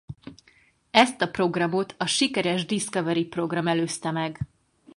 Ezt a programot a sikeres Discovery-program előzte meg.